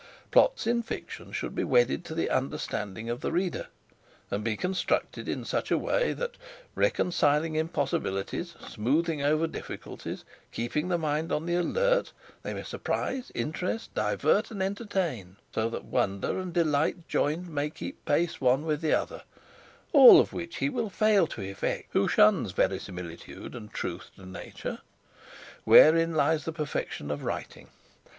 Plots in fiction should be wedded to the understanding of the reader, and be constructed in such a way that, reconciling impossibilities, smoothing over difficulties, keeping the mind on the alert, they may surprise, interest, divert, and entertain, so that wonder and delight joined may keep pace one with the other; all which he will fail to effect who shuns verisimilitude and truth to nature, wherein lies the perfection of writing.